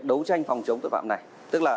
đấu tranh phòng chống tội phạm này tức là